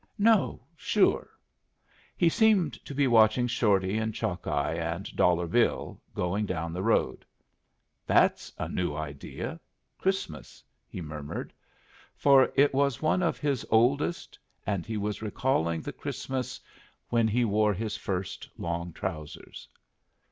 "No, sure." He seemed to be watching Shorty, and Chalkeye, and Dollar Bill going down the road. "That's a new idea Christmas," he murmured, for it was one of his oldest, and he was recalling the Christmas when he wore his first long trousers.